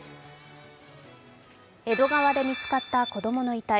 江戸川で見つかった子供の遺体